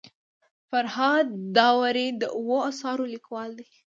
فرهاد داوري د اوو اثارو لیکوال دی.